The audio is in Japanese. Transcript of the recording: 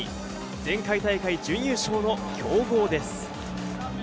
前回大会、準優勝の強豪です。